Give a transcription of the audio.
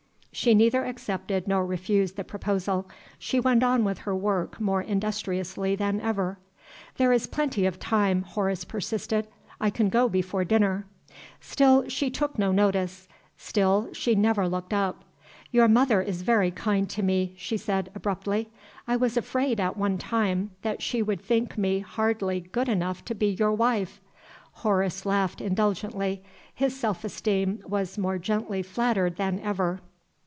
She neither accepted nor refused the proposal she went on with her work more industriously than ever. "There is plenty of time," Horace persisted. "I can go before dinner." Still she took no notice: still she never looked up. "Your mother is very kind to me," she said, abruptly. "I was afraid, at one time, that she would think me hardly good enough to be your wife." Horace laughed indulgently: his self esteem was more gently flattered than ever.